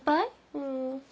うん。